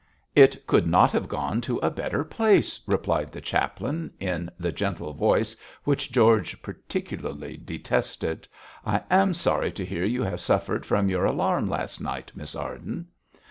'It could not have gone to a better place,' replied the chaplain, in the gentle voice which George particularly detested. 'I am sorry to hear you have suffered from your alarm last night, Miss Arden.'